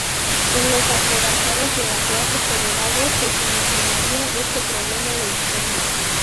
En los acorazados de la clase Colorado se solucionaría este problema de diseño.